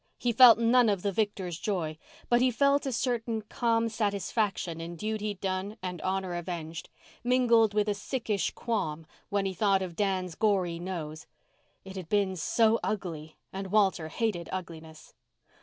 He felt none of the victor's joy, but he felt a certain calm satisfaction in duty done and honour avenged—mingled with a sickish qualm when he thought of Dan's gory nose. It had been so ugly, and Walter hated ugliness.